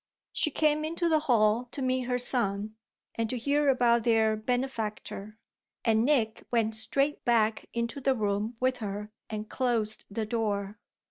She came into the hall to meet her son and to hear about their benefactor, and Nick went straight back into the room with her and closed the door.